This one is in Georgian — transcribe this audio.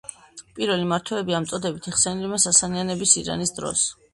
პირველი მმართველები ამ წოდებით იხსენიებიან სასანიანების ირანის დროს.